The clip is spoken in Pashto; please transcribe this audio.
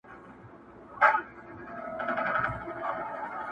سپینه ږیره سپین غاښونه مسېدلی٫